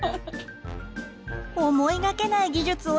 思いがけない技術を披露！